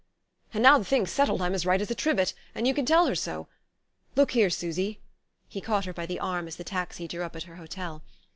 And now the thing's settled I'm as right as a trivet, and you can tell her so.... Look here, Susy..." he caught her by the arm as the taxi drew up at her hotel....